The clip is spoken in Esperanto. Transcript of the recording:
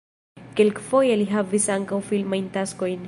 Kelkfoje li havis ankaŭ filmajn taskojn.